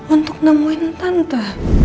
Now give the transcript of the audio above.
untuk nemuin tante